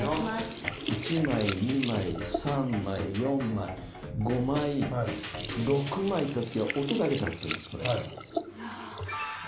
１枚２枚３枚４枚５枚６枚ってやった時に音だけ立てるんです。